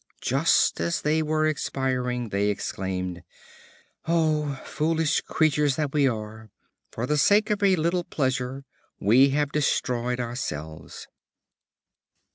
Just as they were expiring, they exclaimed, "O foolish creatures that we are! For the sake of a little pleasure we have destroyed ourselves."